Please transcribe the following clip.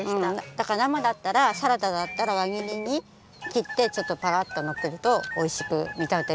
だからなまだったらサラダだったらわ切りに切ってちょっとパラッとのっけるとおいしくみたてもよくなります。